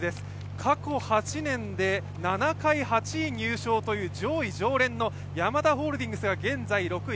過去８年で７回、８位入賞というヤマダホールディングスが現在６位。